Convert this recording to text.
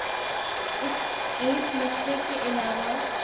اس ایک مسئلے کے علاوہ